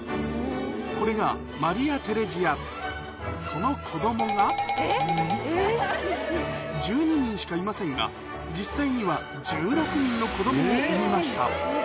これがマリア・テレジアその子供が１２人しかいませんが実際にはを産みました